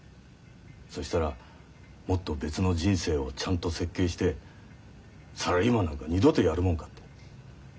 そしたらもっと別の人生をちゃんと設計してサラリーマンなんか二度とやるもんかって。